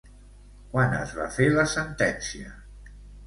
Quan es va fer la sentència?